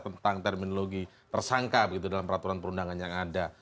tentang terminologi tersangka dalam peraturan perundangan yang ada